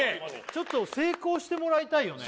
ちょっと成功してもらいたいよね